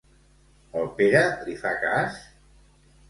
El Pere li fa cas?